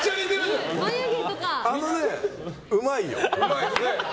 あのね、うまいよ。